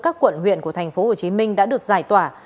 các quận huyện của thành phố hồ chí minh đã được giải tỏa